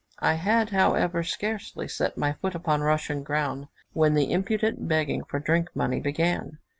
I had, however, scarcely set my foot upon Russian ground, when the impudent begging for drink money began.